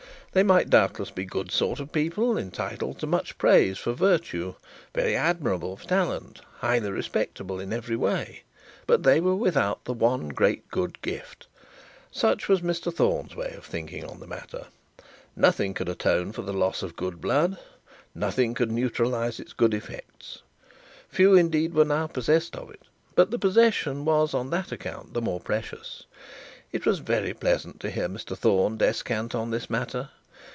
They might doubtless be good sort of people, entitled to much praise for virtue, very admirable for talent, highly respectable in every way; but they were without the one great good gift. Such was Mr Thorne's way of thinking on this matter; nothing could atone for the loss of good blood; nothing could neutralise its good effects. Few indeed were now possessed of it, but the possession was on that account the more precious. It was very pleasant to hear Mr Thorne descant on this matter.